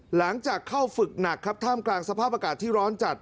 หลังจากเข้าฝึกหนักครับท่ามกลางสภาพอากาศที่ร้อนจัด